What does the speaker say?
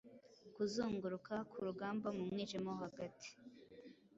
Kuzunguruka ku rugambamu mwijima wo hagati